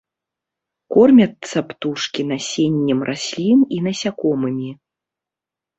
Кормяцца птушкі насеннем раслін і насякомымі.